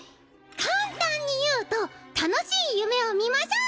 簡単に言うと楽しい夢を見ましょう！